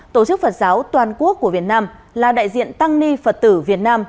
tổ chức phật giáo toàn quốc của việt nam là đại diện tăng ni phật tử việt nam